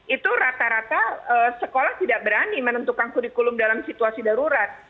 itu rata rata sekolah tidak berani menentukan kurikulum dalam situasi darurat